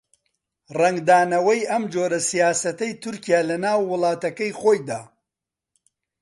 ڕەنگدانەوەی ئەم جۆرە سیاسەتەی تورکیا لەناو وڵاتەکەی خۆیدا